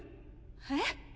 えっ？